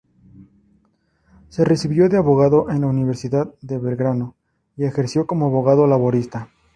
Se recibió de abogado en la Universidad de Belgrano y ejerció como abogado laboralista.